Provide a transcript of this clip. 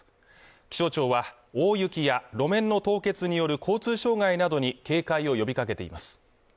気象庁は大雪や路面の凍結による交通障害などに警戒を呼びかけています